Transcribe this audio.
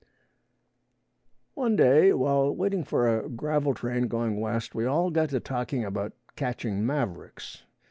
One day while waiting for a gravel train going west, we all got to talking about catching mavericks.